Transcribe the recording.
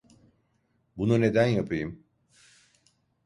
Bunu neden yapayım?